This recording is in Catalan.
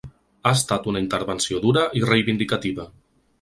Ha estat una intervenció dura i reivindicativa.